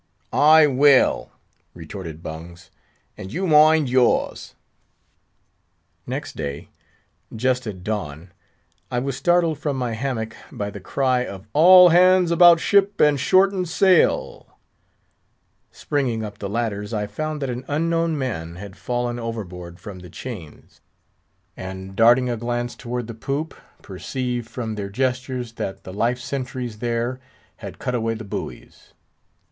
"I will," retorted Bungs; "and you mind yours!" Next day, just at dawn, I was startled from my hammock by the cry of "All hands about ship and shorten sail!" Springing up the ladders, I found that an unknown man had fallen overboard from the chains; and darting a glance toward the poop, perceived, from their gestures, that the life sentries there had cut away the buoys.